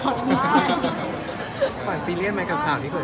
คือเป็นคนที่เราเข้าไปเรายังไม่ทราบ